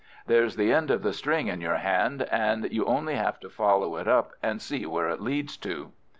There's the end of the string in your hand, and you only have to follow it up and see where it leads to.